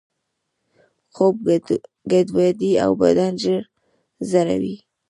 خوب ګډوډوي او بدن ژر زړوي.